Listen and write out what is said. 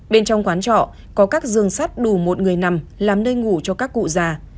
bên trong quán trọ có các giường sắt đủ một người nằm làm nơi ngủ cho các cụ già